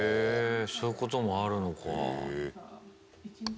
そういうこともあるのか。